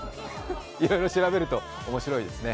いろいろ調べると面白いですね。